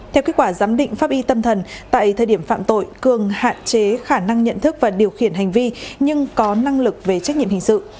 theo kết quả giám định pháp y tâm thần tại thời điểm phạm tội cường hạn chế khả năng nhận thức và điều khiển hành vi nhưng có năng lực về trách nhiệm hình sự